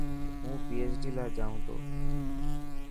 هون PHD لاءِ جائون تو.